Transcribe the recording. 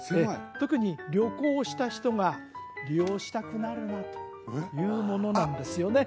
特に旅行した人が利用したくなるなというものなんですよね